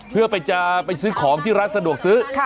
เพื่อไปจะไปซื้อของที่ร้านสะดวกซื้อ